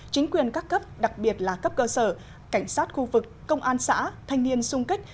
chính quyền các cấp đặc biệt là cấp cơ sở cảnh sát khu vực công an xã thanh niên sung kích